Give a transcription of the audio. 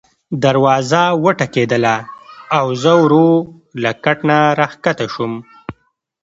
دروازه وټکېدله او زه ورو له کټ نه راکښته شوم.